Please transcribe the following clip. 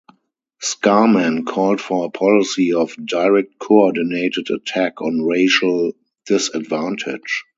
Scarman called for a policy of "direct coordinated attack on racial disadvantage".